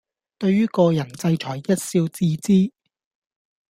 對於個人制裁一笑置之